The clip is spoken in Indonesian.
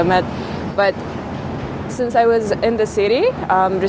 tapi sejak saya di kota